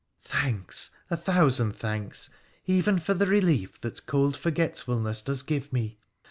' Thanks ! a thousand thanks, even for the relief that cold forgetfulness does give me.